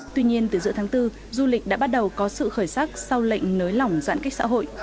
tuy nhiên từ giữa tháng bốn du lịch đã bắt đầu có sự khởi sắc sau lệnh nới lỏng giãn cách xã hội